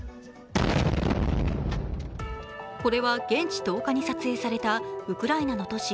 これは現地１０日に撮影されたウクライナの都市